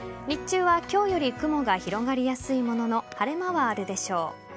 日中は今日より雲が広がりやすいものの晴れ間はあるでしょう。